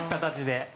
形で。